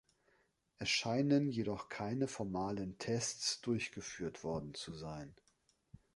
Es scheinen jedoch keine formalen Tests durchgeführt worden zu sein.